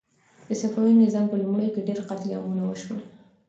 د صفوي نظام په لومړیو کې ډېر قتل عامونه وشول.